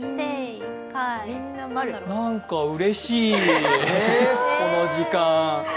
なんか、うれしい、この時間。